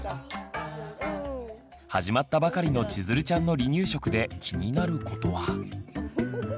始まったばかりのちづるちゃんの離乳食で気になることは。